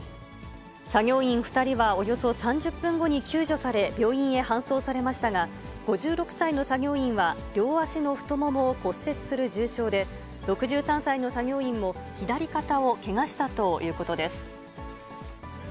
作業員２人はおよそ３０分後に救助され、病院へ搬送されましたが、５６歳の作業員は両足の太ももを骨折する重傷で、６３歳の作業員も左肩をけがしたということです。